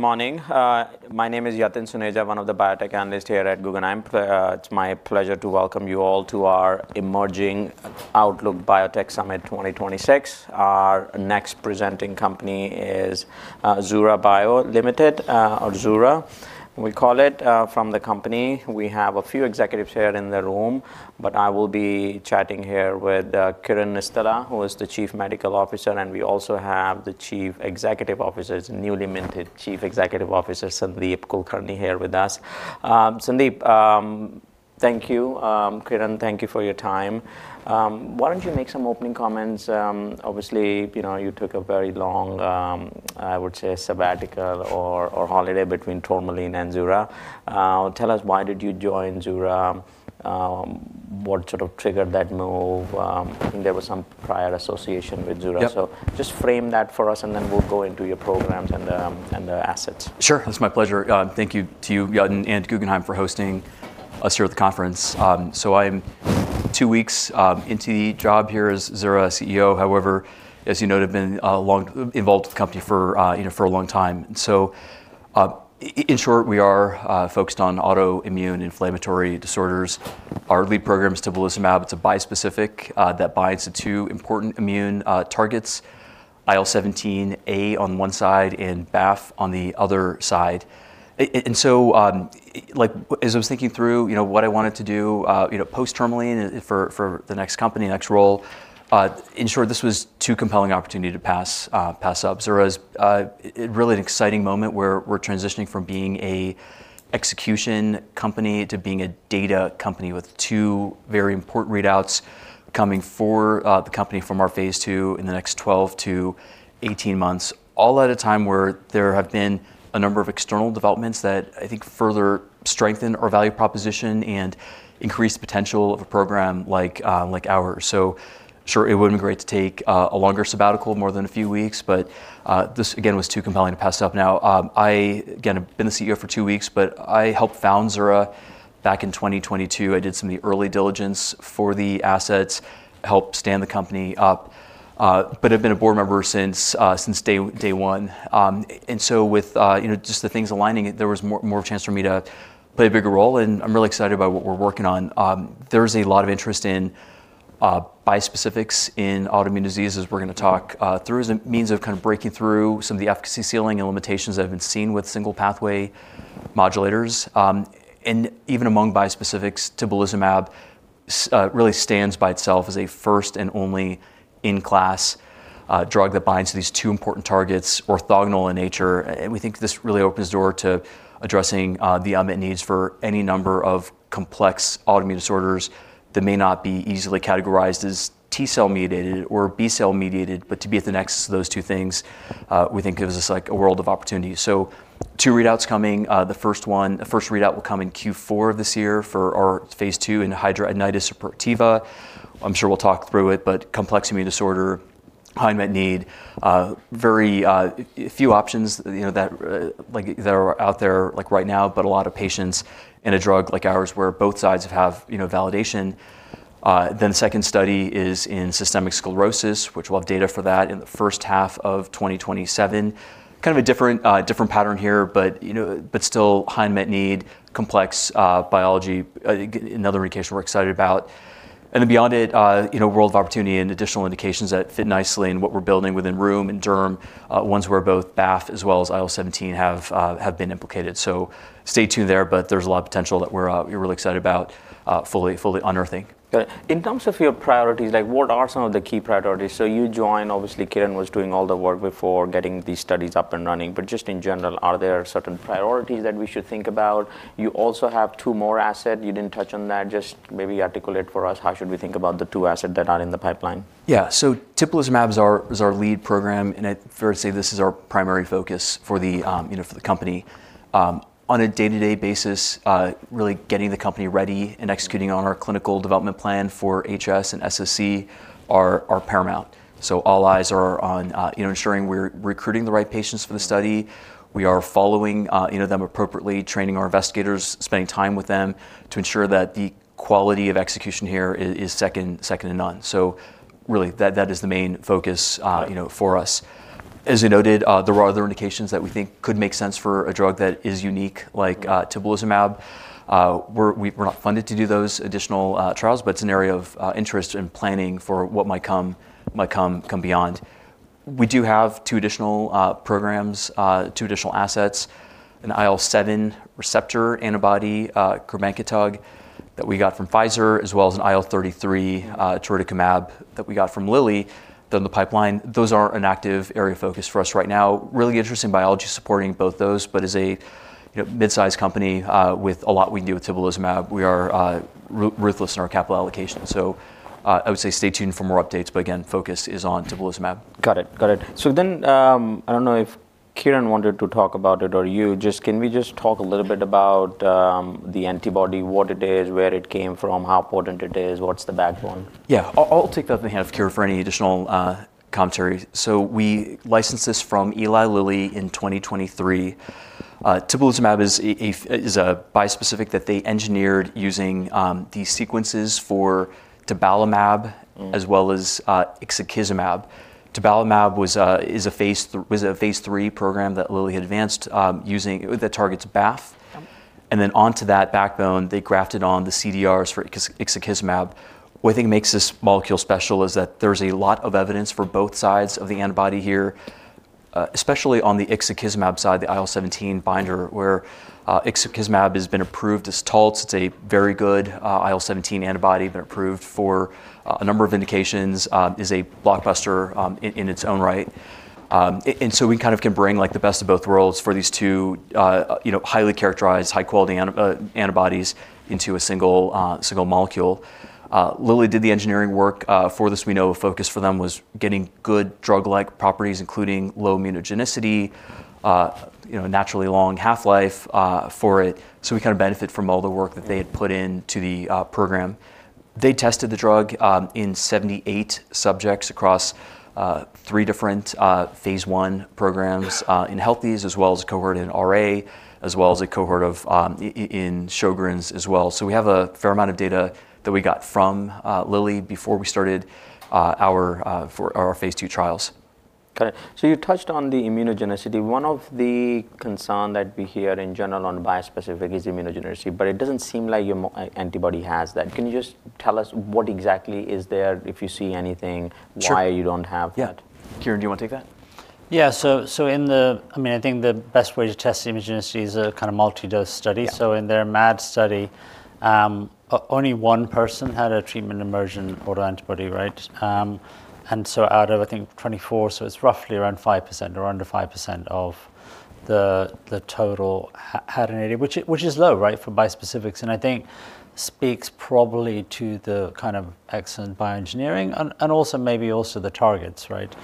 Good morning. My name is Yatin Suneja, one of the biotech analysts here at Guggenheim Securities. And it's my pleasure to welcome you all to our Emerging Outlook Biotech Summit 2026. Our next presenting company is Zura Bio Limited, or Zura, we call it, from the company. We have a few executives here in the room, but I will be chatting here with Kiran Nistala, who is the Chief Medical Officer. And we also have the Chief Executive Officer, newly minted Chief Executive Officer Sandeep Kulkarni here with us. Sandeep, thank you. Kiran, thank you for your time. Why don't you make some opening comments? Obviously, you know, you took a very long, I would say, sabbatical or, or holiday between Tourmaline and Zura. Tell us why did you join Zura? What sort of triggered that move? I think there was some prior association with Zura. So just frame that for us, and then we'll go into your programs and the assets. Sure. That's my pleasure. Thank you to you, Yatin, and Guggenheim for hosting us here at the conference. So I'm two weeks into the job here as Zura CEO. However, as you note, I've been long involved with the company for, you know, for a long time. So, in short, we are focused on autoimmune inflammatory disorders. Our lead program is tibulizumab. It's a bispecific that binds to two important immune targets: IL-17A on one side and BAFF on the other side. And so, like, as I was thinking through, you know, what I wanted to do, you know, post-Tourmaline for, for the next company, next role, in short, this was too compelling opportunity to pass, pass up. Zura is really an exciting moment where we're transitioning from being an execution company to being a data company with two very important readouts coming for the company from our phase II in the next 12-18 months, all at a time where there have been a number of external developments that I think further strengthen our value proposition and increase the potential of a program like ours. So sure, it wouldn't be great to take a longer sabbatical, more than a few weeks. But this, again, was too compelling to pass up. Now I, again, have been the CEO for two weeks, but I helped found Zura back in 2022. I did some of the early diligence for the assets, helped stand the company up, but have been a board member since day one. and so with, you know, just the things aligning, there was more, more of a chance for me to play a bigger role. And I'm really excited about what we're working on. There's a lot of interest in bispecifics in autoimmune disease, as we're going to talk through, as a means of kind of breaking through some of the efficacy ceiling and limitations that have been seen with single-pathway modulators. And even among bispecifics, tibulizumab really stands by itself as a first and only in-class drug that binds to these two important targets, orthogonal in nature. And we think this really opens the door to addressing the unmet needs for any number of complex autoimmune disorders that may not be easily categorized as T-cell mediated or B-cell mediated. But to be at the next to those two things, we think gives us, like, a world of opportunity. So, two readouts coming. The first one, the first readout will come in Q4 of this year for our phase II in hidradenitis suppurativa. I'm sure we'll talk through it. But complex immune disorder, high unmet need, very few options, you know, that, like, that are out there, like, right now, but a lot of patients in a drug like ours where both sides have, you know, validation. Then the second study is in systemic sclerosis, which we'll have data for that in the first half of 2027. Kind of a different pattern here, but, you know, but still high unmet need, complex biology, another indication we're excited about. And then beyond it, you know, world of opportunity and additional indications that fit nicely in what we're building within rheum and derm, ones where both BAFF as well as IL-17 have been implicated. So stay tuned there. But there's a lot of potential that we're really excited about, fully unearthing. Got it. In terms of your priorities, like, what are some of the key priorities? So you joined. Obviously, Kiran was doing all the work before getting these studies up and running. But just in general, are there certain priorities that we should think about? You also have two more assets. You didn't touch on that. Just maybe articulate for us, how should we think about the two assets that are in the pipeline? Yeah. So tibulizumab is our, is our lead program. And I dare say this is our primary focus for the, you know, for the company. On a day-to-day basis, really getting the company ready and executing on our clinical development plan for HS and SSC are, are paramount. So all eyes are on, you know, ensuring we're recruiting the right patients for the study. We are following, you know, them appropriately, training our investigators, spending time with them to ensure that the quality of execution here is, is second, second to none. So really, that, that is the main focus, you know, for us. As you noted, there are other indications that we think could make sense for a drug that is unique, like, tibulizumab. We're, we're, we're not funded to do those additional, trials. But it's an area of interest and planning for what might come beyond. We do have two additional programs, two additional assets: an IL-7 receptor antibody, crebankitug that we got from Pfizer, as well as an IL-33 torudokimab that we got from Lilly down the pipeline. Those are an active area of focus for us right now. Really interesting biology supporting both those. But as a, you know, midsize company, with a lot we can do with tibulizumab, we are ruthless in our capital allocation. So, I would say stay tuned for more updates. But again, focus is on tibulizumab. Got it. Got it. So then, I don't know if Kiran wanted to talk about it or you. Just, can we just talk a little bit about the antibody, what it is, where it came from, how important it is, what's the backbone? Yeah. I'll take that on behalf of Kiran for any additional commentary. So we licensed this from Eli Lilly in 2023. Tibulizumab is a bispecific that they engineered using these sequences for tabalumab as well as ixekizumab. Tabalumab was a phase three program that Lilly had advanced using that targets BAFF. And then onto that backbone, they grafted on the CDRs for ixekizumab. What I think makes this molecule special is that there's a lot of evidence for both sides of the antibody here, especially on the ixekizumab side, the IL-17 binder, where ixekizumab has been approved as Taltz. It's a very good IL-17 antibody, been approved for a number of indications, is a blockbuster in its own right. and so we kind of can bring, like, the best of both worlds for these two, you know, highly characterized, high-quality, antibodies into a single, single molecule. Lilly did the engineering work, for this. We know a focus for them was getting good drug-like properties, including low immunogenicity, you know, naturally long half-life, for it. So we kind of benefit from all the work that they had put into the program. They tested the drug, in 78 subjects across, three different, phase I programs, in healthies, as well as a cohort in RA, as well as a cohort in Sjögren's as well. So we have a fair amount of data that we got from Lilly before we started, our, for our phase II trials. Got it. So you touched on the immunogenicity. One of the concerns that we hear in general on bispecifics is immunogenicity. But it doesn't seem like your antibody has that. Can you just tell us what exactly is there? If you see anything, why you don't have that? Yeah. Kiran, do you want to take that? Yeah. So in the, I mean, I think the best way to test immunogenicity is a kind of multidose study. So in their MAD study, only one person had a treatment-emergent autoantibody, right? And so out of, I think, 24, so it's roughly around 5% or under 5% of the total had an ADA, which is low, right, for bispecifics. And I think it speaks probably to the kind of excellent bioengineering and also maybe the targets, right?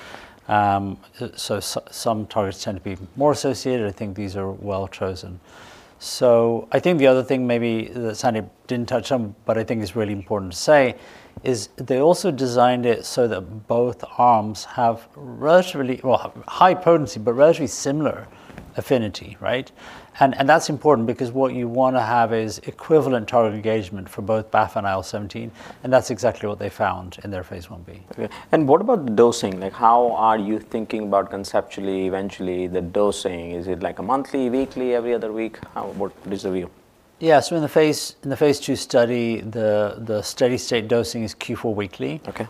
So some targets tend to be more associated. I think these are well chosen. So I think the other thing maybe that Sandeep didn't touch on, but I think it's really important to say, is they also designed it so that both arms have relatively, well, high potency, but relatively similar affinity, right? And that's important because what you want to have is equivalent target engagement for both BAFF and IL-17. And that's exactly what they found in their phase I-B. OK. And what about the dosing? Like, how are you thinking about conceptually, eventually, the dosing? Is it, like, a monthly, weekly, every other week? How, what is the view? Yeah. So in the phase II study, the steady state dosing is Q4W.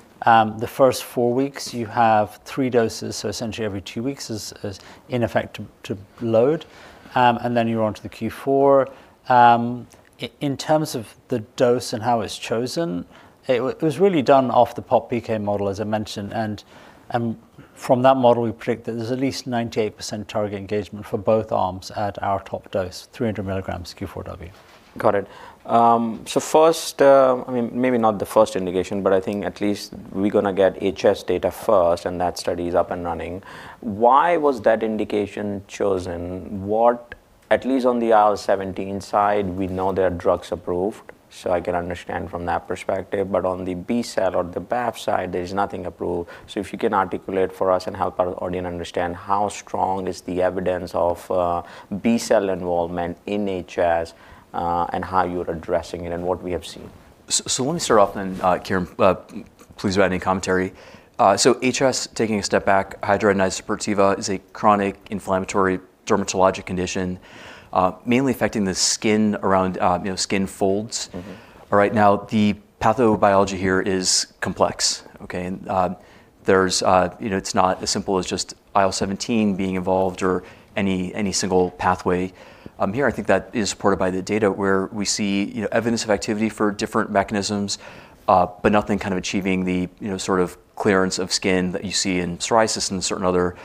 The first four weeks, you have three doses. So essentially, every two weeks is in effect to load. And then you're onto the Q4W. In terms of the dose and how it's chosen, it was really done off the Pop-PK model, as I mentioned. And from that model, we predict that there's at least 98% target engagement for both arms at our top dose, 300 mg Q4W. Got it. So first, I mean, maybe not the first indication. But I think at least we're going to get HS data first. And that study is up and running. Why was that indication chosen? What, at least on the IL-17 side, we know they are drugs approved. So I can understand from that perspective. But on the B-cell or the BAFF side, there is nothing approved. So if you can articulate for us and help our audience understand how strong is the evidence of, B-cell involvement in HS, and how you're addressing it and what we have seen. So, let me start off then, Kiran. Please add any commentary. So HS, taking a step back, hidradenitis suppurativa is a chronic inflammatory dermatologic condition, mainly affecting the skin around, you know, skin folds. All right. Now, the pathobiology here is complex, OK? And, there's, you know, it's not as simple as just IL-17 being involved or any, any single pathway. Here, I think that is supported by the data, where we see, you know, evidence of activity for different mechanisms, but nothing kind of achieving the, you know, sort of clearance of skin that you see in psoriasis and certain other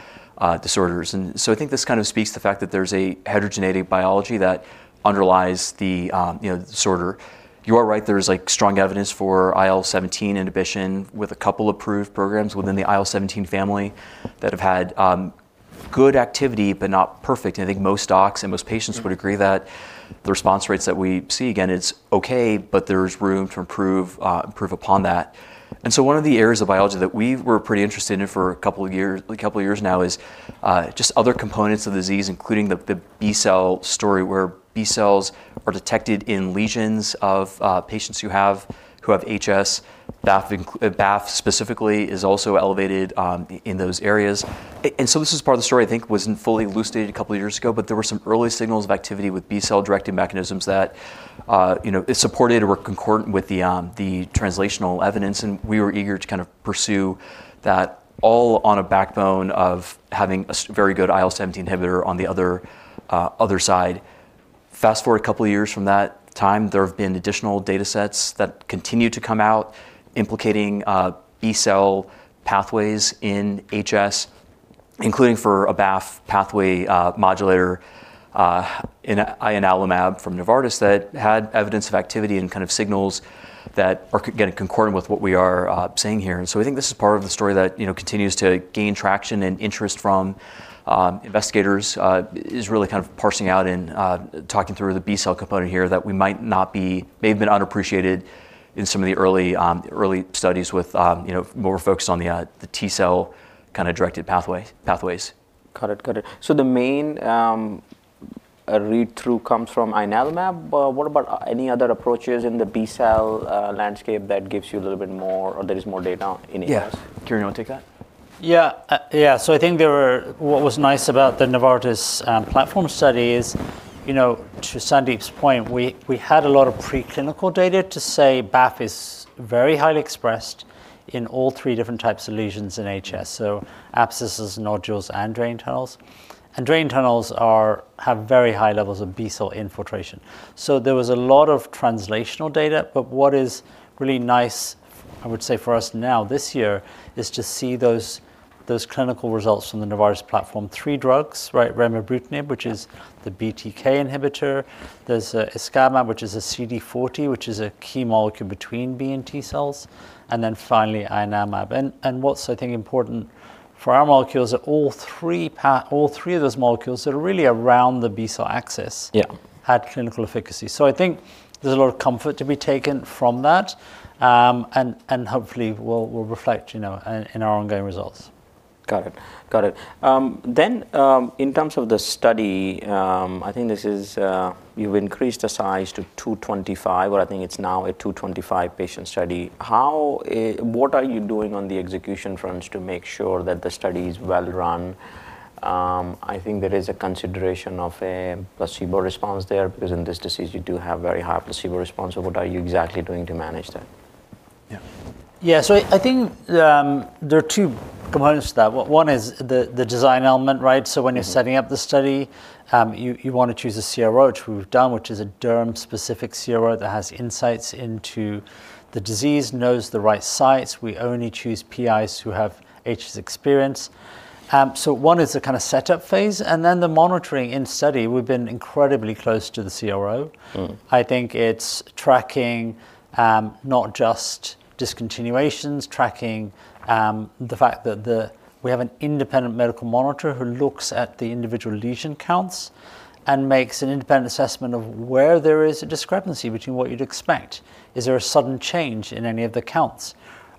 disorders. And so I think this kind of speaks to the fact that there's a heterogeneous biology that underlies the, you know, disorder. You are right. There is, like, strong evidence for IL-17 inhibition with a couple of approved programs within the IL-17 family that have had good activity but not perfect. And I think most docs and most patients would agree that the response rates that we see, again, it's OK. But there's room to improve, improve upon that. And so one of the areas of biology that we were pretty interested in for a couple of years, a couple of years now, is just other components of disease, including the B-cell story, where B-cells are detected in lesions of patients who have, who have HS. BAFF, BAFF specifically, is also elevated in those areas. And so this is part of the story, I think, wasn't fully elucidated a couple of years ago. But there were some early signals of activity with B-cell-directed mechanisms that, you know, it supported or were concordant with the, the translational evidence. And we were eager to kind of pursue that all on a backbone of having a very good IL-17 inhibitor on the other, other side. Fast forward a couple of years from that time, there have been additional data sets that continue to come out implicating B-cell pathways in HS, including for a BAFF pathway modulator, ianalumab from Novartis that had evidence of activity and kind of signals that are getting concordant with what we are saying here. So I think this is part of the story that, you know, continues to gain traction and interest from investigators, is really kind of parsing out and talking through the B-cell component here that we might not have been underappreciated in some of the early studies with, you know, more focused on the T-cell kind of directed pathways. Got it. Got it. So the main read-through comes from ianalumab. But what about any other approaches in the B-cell landscape that gives you a little bit more or there is more data in HS? Yeah. Kiran, you want to take that? Yeah. Yeah. So I think there were what was nice about the Novartis' platform study is, you know, to Sandeep's point, we, we had a lot of preclinical data to say BAFF is very highly expressed in all three different types of lesions in HS, so abscesses, nodules, and draining tunnels. Draining tunnels have very high levels of B-cell infiltration. So there was a lot of translational data. But what is really nice, I would say, for us now this year is to see those, those clinical results from the Novartis platform, three drugs, right? Remibrutinib, which is the BTK inhibitor. There's iscalimab, which is a CD40, which is a key molecule between B and T cells. And then finally, ianalumab. And what's, I think, important for our molecules are all three of those molecules that are really around the B-cell axis had clinical efficacy. So I think there's a lot of comfort to be taken from that. And hopefully, we'll reflect, you know, in our ongoing results. Got it. Got it. Then, in terms of the study, I think this is, you've increased the size to 225, or I think it's now a 225-patient study. How? What are you doing on the execution fronts to make sure that the study is well run? I think there is a consideration of a placebo response there. Because in this disease, you do have very high placebo response. So what are you exactly doing to manage that? Yeah. Yeah. So I, I think, there are two components to that. One is the, the design element, right? So when you're setting up the study, you, you want to choose a CRO, which we've done, which is a derm-specific CRO that has insights into the disease, knows the right sites. We only choose PIs who have HS experience. So one is the kind of setup phase. And then the monitoring in study, we've been incredibly close to the CRO. I think it's tracking, not just discontinuations, tracking, the fact that we have an independent medical monitor who looks at the individual lesion counts and makes an independent assessment of where there is a discrepancy between what you'd expect. Is there a sudden change in any of the counts?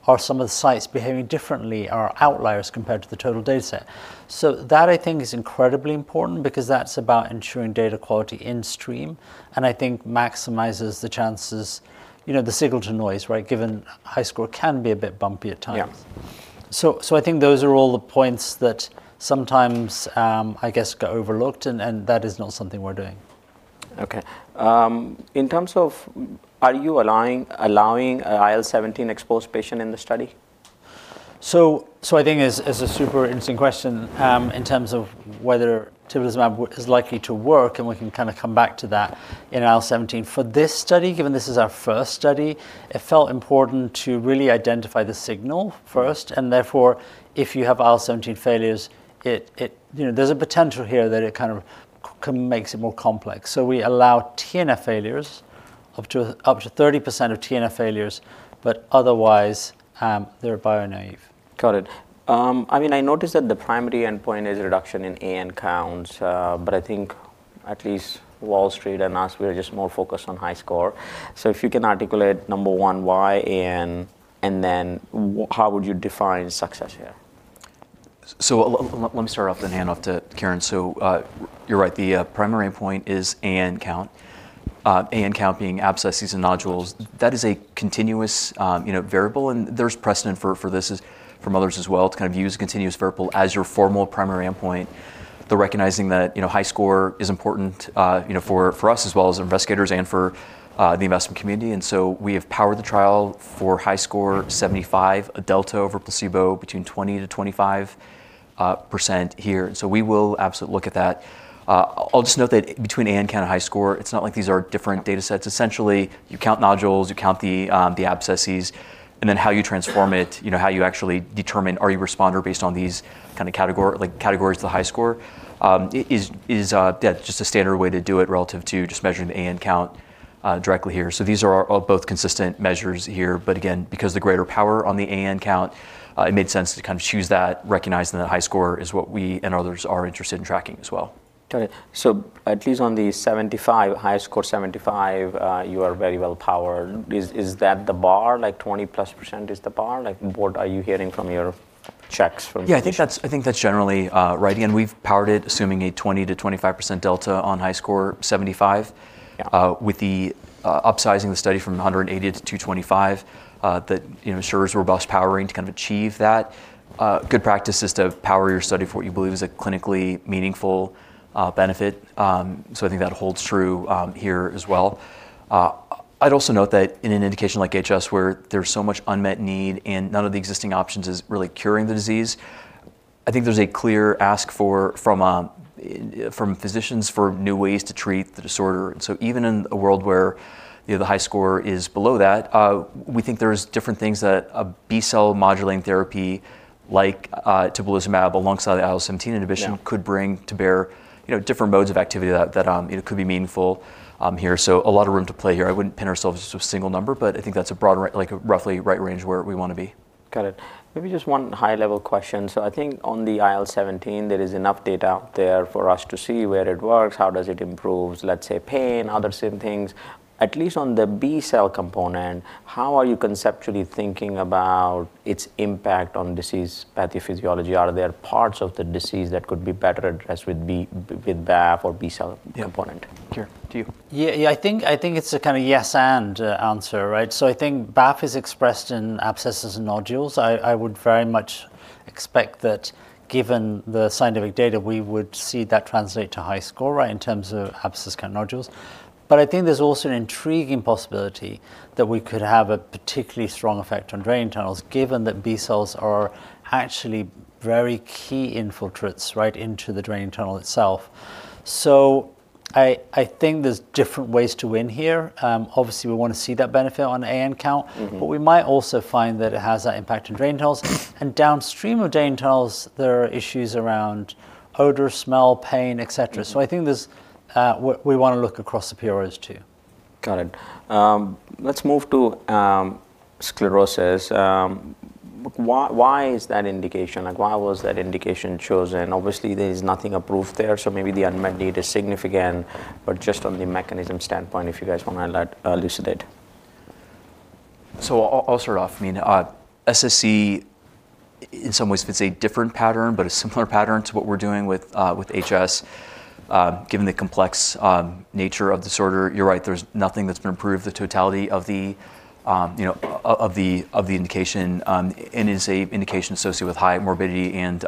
Are some of the sites behaving differently, or outliers compared to the total data set? So that, I think, is incredibly important. Because that's about ensuring data quality in stream. And I think maximizes the chances, you know, the signal to noise, right, given HiSCR can be a bit bumpy at times. So, so I think those are all the points that sometimes, I guess, get overlooked. And, and that is not something we're doing. OK. In terms of, are you allowing an IL-17 exposed patient in the study? So, I think it's a super interesting question, in terms of whether tibulizumab is likely to work. And we can kind of come back to that in IL-17. For this study, given this is our first study, it felt important to really identify the signal first. And therefore, if you have IL-17 failures, it, you know, there's a potential here that it kind of can makes it more complex. So we allow TNF failures, up to 30% of TNF failures. But otherwise, they're biologic-naive. Got it. I mean, I noticed that the primary endpoint is reduction in AN counts. But I think at least Wall Street and us, we are just more focused on HiSCR. So if you can articulate, number one, why AN? And then how would you define success here? So let me start off, then, hand off to Kiran. So, you're right. The primary endpoint is AN count, AN count being abscesses and nodules. That is a continuous, you know, variable. And there's precedent for this from others as well, to kind of use a continuous variable as your formal primary endpoint, recognizing that, you know, HiSCR 75 is important, you know, for us as well as investigators and for the investment community. And so we have powered the trial for HiSCR 75, a delta over placebo between 20%-25% here. And so we will absolutely look at that. I'll just note that between AN count and HiSCR, it's not like these are different data sets. Essentially, you count nodules. You count the abscesses. And then how you transform it, you know, how you actually determine, are you responder based on these kind of category, like, categories to the HiSCR, is, yeah, just a standard way to do it relative to just measuring the AN count directly here. So these are all both consistent measures here. But again, because the greater power on the AN count, it made sense to kind of choose that, recognizing that HiSCR is what we and others are interested in tracking as well. Got it. So at least on the 75, HiSCR 75, you are very well powered. Is that the bar? Like, 20% plus is the bar? Like, what are you hearing from your checks from? Yeah. I think that's generally right. Again, we've powered it, assuming a 20%-25% delta on HiSCR 75, with upsizing the study from 180 to 225, that you know ensures robust powering to kind of achieve that. Good practice is to power your study for what you believe is a clinically meaningful benefit. So I think that holds true here as well. I'd also note that in an indication like HS, where there's so much unmet need and none of the existing options is really curing the disease, I think there's a clear ask from physicians for new ways to treat the disorder. And so even in a world where, you know, the HiSCR is below that, we think there's different things that a B-cell modulating therapy, like, tibulizumab alongside the IL-17 inhibition could bring to bear, you know, different modes of activity that you know, could be meaningful here. So a lot of room to play here. I wouldn't pin ourselves to a single number. But I think that's a broad, right, like, a roughly right range where we want to be. Got it. Maybe just one high-level question. So I think on the IL-17, there is enough data there for us to see where it works, how does it improve, let's say, pain, other same things. At least on the B-cell component, how are you conceptually thinking about its impact on disease pathophysiology? Are there parts of the disease that could be better addressed with B, with BAFF or B-cell component? Yeah. Kiran, to you. Yeah. Yeah. I think, I think it's a kind of yes-and answer, right? So I think BAFF is expressed in abscesses and nodules. I, I would very much expect that, given the scientific data, we would see that translate to HiSCR, right, in terms of abscess count, nodules. But I think there's also an intriguing possibility that we could have a particularly strong effect on draining tunnels, given that B-cells are actually very key infiltrates, right, into the draining tunnel itself. So I, I think there's different ways to win here. Obviously, we want to see that benefit on AN count. But we might also find that it has that impact in draining tunnels. And downstream of draining tunnels, there are issues around odor, smell, pain, et cetera. So I think there's, we want to look across the PROs too. Got it. Let's move to sclerosis. Why, why is that indication? Like, why was that indication chosen? Obviously, there is nothing approved there. So maybe the unmet need is significant. But just on the mechanism standpoint, if you guys want to elucidate. So I'll start off. I mean, SSc, in some ways, it's a different pattern but a similar pattern to what we're doing with HS. Given the complex nature of the disorder, you're right. There's nothing that's been approved for the totality of the indication, you know. And it's an indication associated with high morbidity and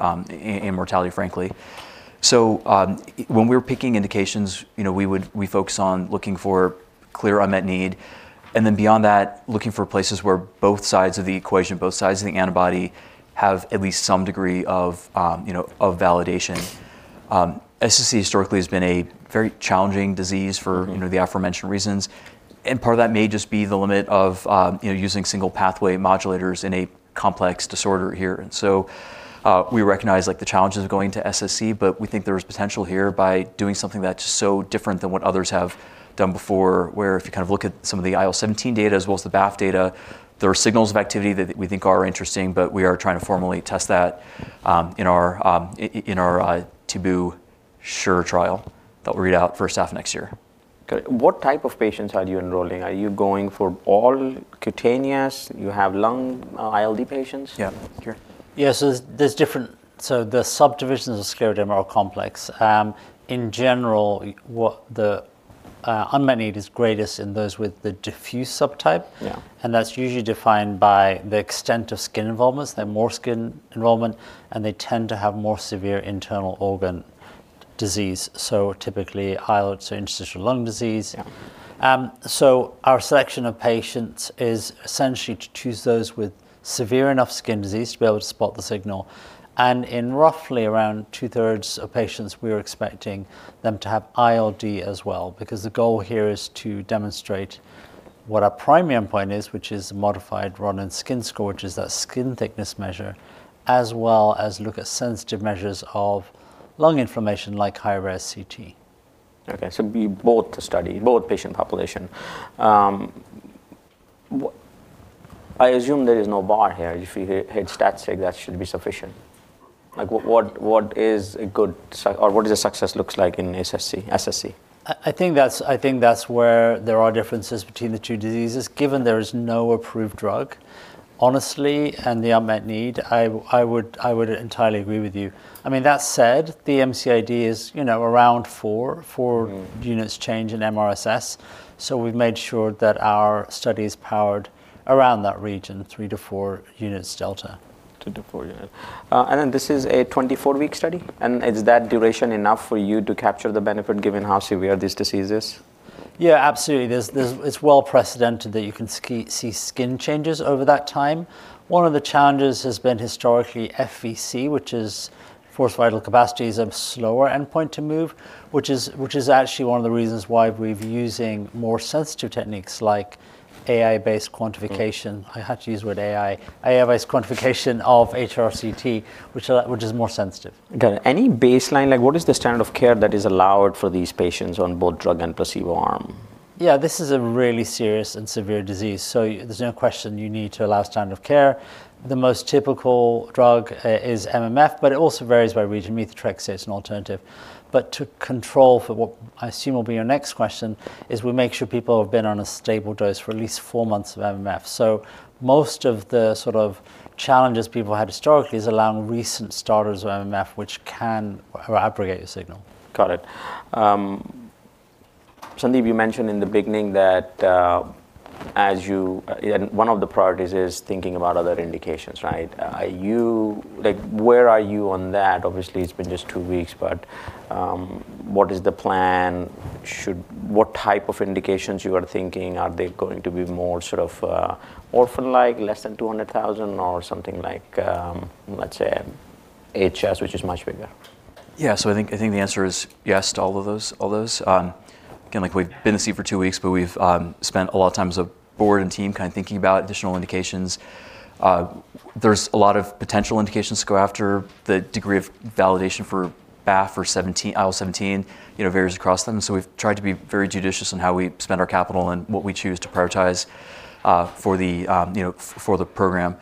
mortality, frankly. So, when we were picking indications, you know, we would focus on looking for clear unmet need. And then beyond that, looking for places where both sides of the equation, both sides of the antibody, have at least some degree of validation, you know. SSc historically has been a very challenging disease for the aforementioned reasons. And part of that may just be the limit of using single pathway modulators in a complex disorder here. So, we recognize, like, the challenges of going to SSc. But we think there is potential here by doing something that's so different than what others have done before, where if you kind of look at some of the IL-17 data as well as the BAFF data, there are signals of activity that we think are interesting. But we are trying to formally test that in our TibuSURE trial that we'll read out first half next year. Got it. What type of patients are you enrolling? Are you going for all cutaneous? You have lung ILD patients? Yeah. Kiran. Yeah. So there's different, so the subdivisions of scleroderma are complex. In general, what the unmet need is greatest in those with the diffuse subtype. Yeah. And that's usually defined by the extent of skin involvement. They have more skin involvement. And they tend to have more severe internal organ disease. So typically, ILD, so interstitial lung disease. Yeah. So our selection of patients is essentially to choose those with severe enough skin disease to be able to spot the signal. And in roughly around 2/3 of patients, we are expecting them to have ILD as well. Because the goal here is to demonstrate what our primary endpoint is, which is a modified Rodnan skin score, which is that skin thickness measure, as well as look at sensitive measures of lung inflammation, like high-resolution CT. OK. So both the study, both patient population. I assume there is no bar here. If we hit statistic, that should be sufficient. Like, what is a good, or what does a success look like in SSc? I think that's where there are differences between the two diseases, given there is no approved drug, honestly, and the unmet need. I would entirely agree with you. I mean, that said, the MCID is, you know, around four units change in mRSS. So we've made sure that our study is powered around that region, three-four units delta. Two-four units. And then this is a 24-week study. And is that duration enough for you to capture the benefit, given how severe these diseases? Yeah. Absolutely. There's it's well precedented that you can see skin changes over that time. One of the challenges has been historically FVC, which is forced vital capacities, a slower endpoint to move, which is actually one of the reasons why we've been using more sensitive techniques, like AI-based quantification. I had to use the word AI, AI-based quantification of HRCT, which is more sensitive. Got it. Any baseline, like, what is the standard of care that is allowed for these patients on both drug and placebo arm? Yeah. This is a really serious and severe disease. So there's no question you need to allow standard of care. The most typical drug is MMF. But it also varies by region. Methotrexate is an alternative. But to control for what I assume will be your next question is we make sure people have been on a stable dose for at least four months of MMF. So most of the sort of challenges people have had historically is allowing recent starters of MMF, which can abrogate your signal. Got it. Sandeep, you mentioned in the beginning that one of the priorities is thinking about other indications, right? Like, where are you on that? Obviously, it's been just two weeks. But what is the plan? What type of indications you are thinking? Are they going to be more sort of orphan-like, less than 200,000, or something like, let's say, HS, which is much bigger? Yeah. So I think, I think the answer is yes to all of those, all those. Again, like, we've been the seat for two weeks. But we've spent a lot of time as a board and team kind of thinking about additional indications. There's a lot of potential indications to go after. The degree of validation for BAFF or IL-17, you know, varies across them. And so we've tried to be very judicious in how we spend our capital and what we choose to prioritize, for the, you know, for the program.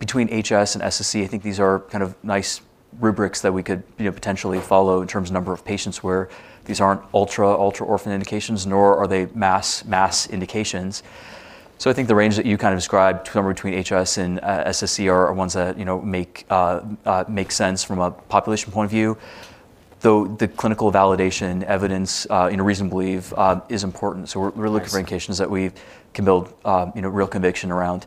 Between HS and SSc, I think these are kind of nice rubrics that we could, you know, potentially follow in terms of number of patients where these aren't ultra, ultra-orphan indications, nor are they mass, mass indications. So I think the range that you kind of described, number between HS and SSc, are ones that, you know, make sense from a population point of view. Though the clinical validation, evidence, you know, reason to believe, is important. So we're looking for indications that we can build, you know, real conviction around,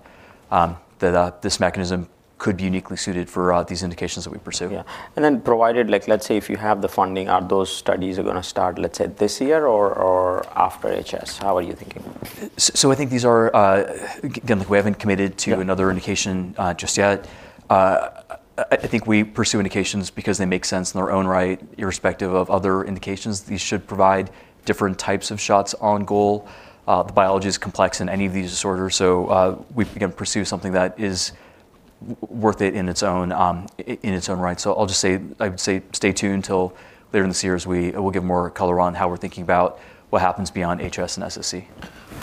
that this mechanism could be uniquely suited for these indications that we pursue. Yeah. And then, provided, like, let's say if you have the funding, are those studies going to start, let's say, this year or, or after HS? How are you thinking? So I think these are, again, like, we haven't committed to another indication, just yet. I think we pursue indications because they make sense in their own right, irrespective of other indications. These should provide different types of shots on goal. The biology is complex in any of these disorders. So, again, we pursue something that is worth it in its own right. So I'll just say, I would say, stay tuned till later in this year as we'll give more color on how we're thinking about what happens beyond HS and SSc.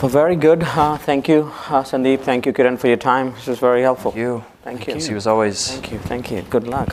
Well, very good. Thank you, Sandeep. Thank you, Kiran, for your time. This was very helpful. You. Thank you. Thank you. As always. Thank you. Thank you. Good luck.